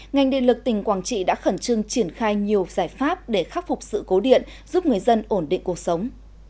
ngành điện lực tỉnh quảng trị đã khẩn trương triển khai nhiều giải pháp để khắc phục sự cố điện giúp người dân ổn định cuộc sống